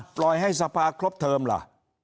ปล่อยให้สภา